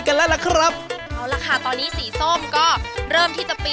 กันแล้วล่ะครับ